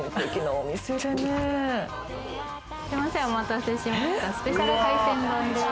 お待たせしました。